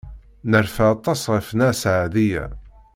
Nerfa aṭas ɣef Nna Seɛdiya.